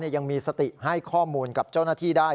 ยังมีสติให้ข้อมูลกับเจ้าหน้าที่ได้